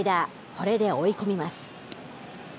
これで追い込みます。